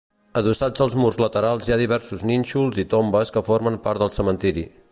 Adossats als murs laterals hi ha diversos nínxols i tombes que formen part del cementiri.